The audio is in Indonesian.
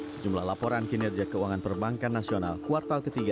sejumlah laporan kinerja keuangan perbankan nasional kuartal ketiga